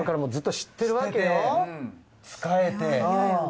仕えて。